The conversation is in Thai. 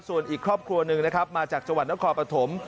ส่วนอีกครอบครัวหนึ่งนะครับมาจากจังหวัดนครปฐม